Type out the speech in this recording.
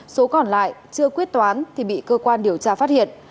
số còn lại chưa quyết toán thì bị cơ quan điều tra phát hiện